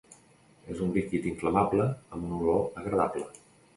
És un líquid inflamable amb una olor agradable.